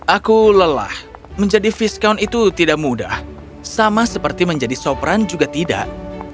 aku lelah menjadi viskaun itu tidak mudah sama seperti menjadi sopran juga tidak